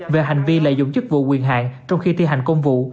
về hành vi lợi dụng chức vụ quyền hạn trong khi thi hành công vụ